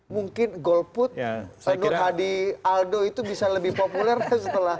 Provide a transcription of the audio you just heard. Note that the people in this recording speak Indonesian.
mungkin golput nur hadi aldo itu bisa lebih populer setelah